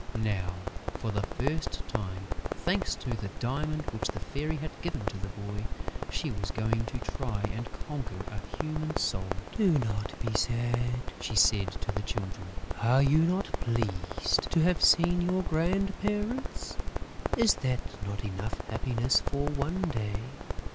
Now, for the first time, thanks to the diamond which the Fairy had given to the boy, she was going to try and conquer a human soul: "Do not be sad," she said to the Children. "Are you not pleased to have seen your grandparents? Is that not enough happiness for one day?